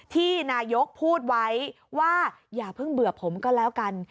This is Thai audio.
ที่นายกพูดไว้ว่าอย่าเพิ่งเบื่อผมก็แล้วกัน